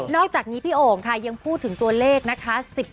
อกจากนี้พี่โอ่งค่ะยังพูดถึงตัวเลขนะคะ